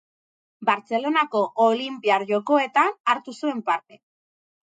Bartzelonako Olinpiar Jokoetan hartu zuen parte.